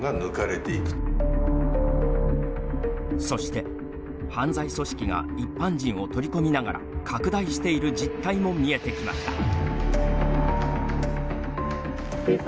そして、犯罪組織が一般人を取り込みながら拡大している実態も見えてきました。